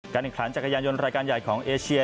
ขันจักรยานยนต์รายการใหญ่ของเอเชีย